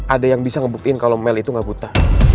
ada yang bisa ngebukin kalau mel itu gak buta